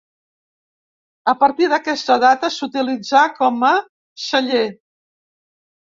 A partir d'aquesta data s'utilitzà com a celler.